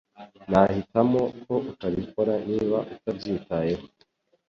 Nahitamo ko utabikora niba utabyitayeho